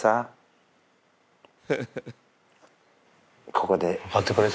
ここで。